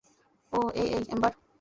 ওহ, এই, এই, এম্বার।